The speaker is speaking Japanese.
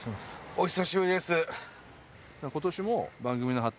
お久しぶりです。